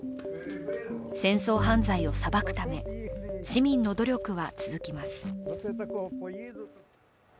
戦争犯罪を裁くため、市民の努力は続きます。